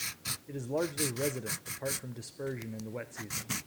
It is largely resident, apart from dispersion in the wet season.